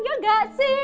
ya nggak sih